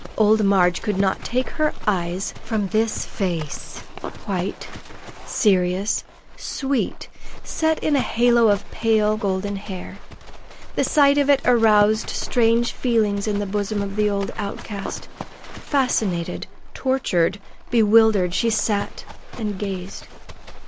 Old Marg could not take her eyes from this face white, serious, sweet, set in a halo of pale golden hair. The sight of it aroused strange feelings in the bosom of the old outcast. Fascinated, tortured, bewildered, she sat and gazed.